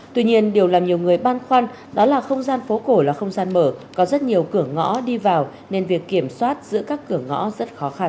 tuy nhiên điều làm nhiều người băn khoăn đó là không gian phố cổ là không gian mở có rất nhiều cửa ngõ đi vào nên việc kiểm soát giữa các cửa ngõ rất khó khăn